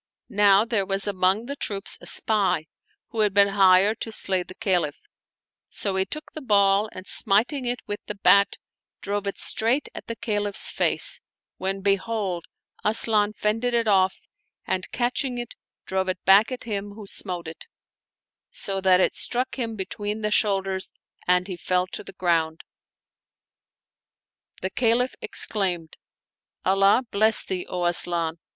Now there was among the troops a spy, who had been hired to slay the Caliph; so he took the ball and smiting it with the bat drove it straight at the Caliph's face, when behold, Asian fended it off and catching it drove it back at him who smote it, so that it struck him between the shoulders, and he fell to the ground. The Caliph exclaimed, " Allah bless thee, O Asian!